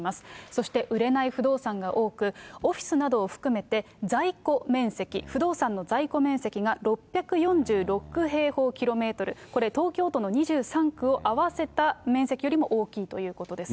そして売れない不動産が多く、オフィスなどを含めて、在庫面積、不動産の在庫面積が６４６平方キロメートル、これ、東京都の２３区を合わせた面積よりも大きいということですね。